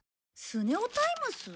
『スネオタイムス』？